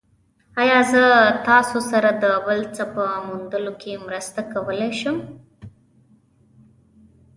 ایا زه تاسو سره د بل څه په موندلو کې مرسته کولی شم؟